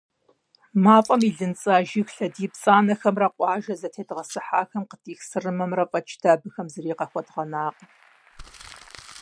МафӀэм илынцӀа жыг лъэдий пцӀанэхэмрэ къуажэ зэтедгъэсхьахэм къыдих сырымэмрэ фӀэкӀ дэ абыхэм зыри къахуэдгъэнакъым.